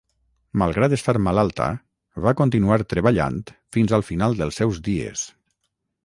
Malgrat estar malalta, va continuar treballant fins al final dels seus dies.